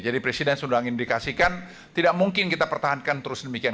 jadi presiden sudah mengindikasikan tidak mungkin kita pertahankan terus demikian